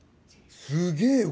すげえよ